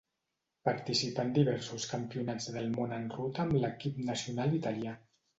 Participà en diversos campionats del món en ruta amb l'equip nacional italià.